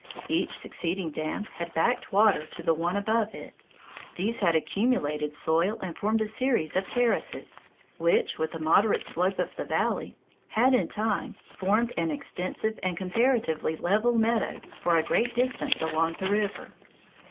Each succeeding dam had backed water to the one above it. These had accumulated soil and formed a series of terraces, which, with the moderate slope of the valley, had in time formed an extensive and comparatively level meadow for a great distance along the river.